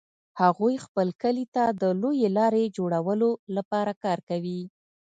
هغوی خپل کلي ته د لویې لارې جوړولو لپاره کار کوي